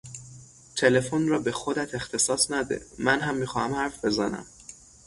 تلفن را به خودت اختصاص نده! منهم میخواهم حرف بزنم!